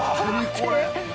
これ！